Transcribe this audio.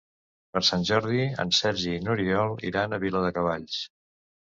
Per Sant Jordi en Sergi i n'Oriol iran a Viladecavalls.